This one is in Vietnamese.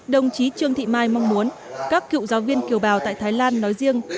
đồng chí trương thị mai mong muốn các cựu giáo viên kiều bào tại thái lan nói riêng